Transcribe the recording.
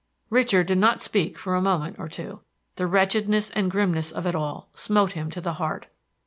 Richard did not speak for a moment or two. The wretchedness and grimness of it all smote him to the heart.